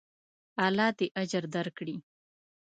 الله دې اجر درکړي.